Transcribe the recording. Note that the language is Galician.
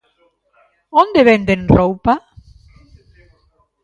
Onde venden roupa?